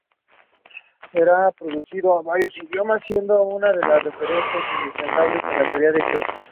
Será traducido a varios idiomas, siendo hoy una referencia indispensable en la teoría queer.